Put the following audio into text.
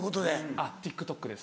あっＴｉｋＴｏｋです。